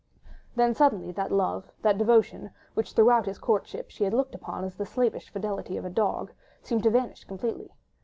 Then suddenly that love, that devotion, which throughout his courtship she had looked upon as the slavish fidelity of a dog, seemed to vanish completely.